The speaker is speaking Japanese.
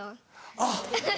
あっ。